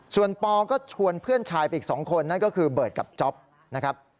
ส่วนปอก็ชวนเพื่อนชายไปอีก๒คนนั่นก็คือเบิร์ตกับจ๊อปนะครับ